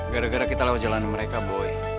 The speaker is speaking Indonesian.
gara gara kita lewat jalan mereka boy